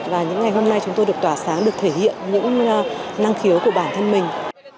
và những ngày hôm nay chúng tôi được tỏa sáng được thể hiện những năng khiếu của bản thân mình